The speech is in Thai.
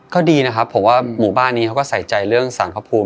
ก็ดีนะครับผมว่าหมู่บ้านนี้เขาก็ใส่ใจเรื่องสารพระภูมิ